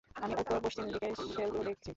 আমি উত্তর পশ্চিম দিকের সেলগুলো দেখছি।